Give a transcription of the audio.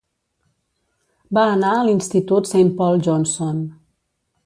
Va anar a l'institut Saint Paul Johnson.